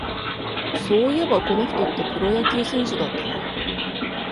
そういえば、この人ってプロ野球選手だったな